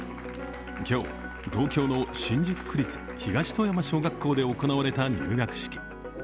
今日、東京の新宿区立東戸山小学校で行われた入学式。